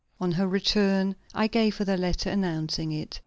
On her return, I gave her the letter announcing it.